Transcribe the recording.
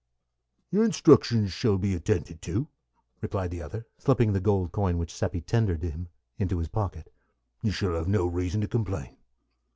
"Your instructions shall be attended to," replied the other, slipping the gold coin which Seppi tendered him into his pocket. "You shall have no reason to complain."